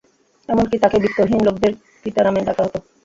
এমনকি তাঁকে বিত্তহীন লোকদের পিতা নামে ডাকা হত।